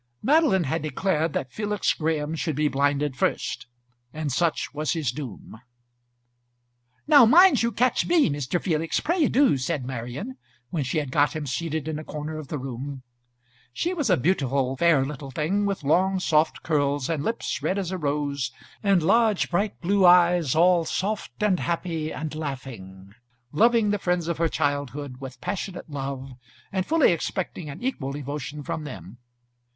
Madeline had declared that Felix Graham should be blinded first, and such was his doom. "Now mind you catch me, Mr. Felix; pray do," said Marian, when she had got him seated in a corner of the room. She was a beautiful fair little thing, with long, soft curls, and lips red as a rose, and large, bright blue eyes, all soft and happy and laughing, loving the friends of her childhood with passionate love, and fully expecting an equal devotion from them.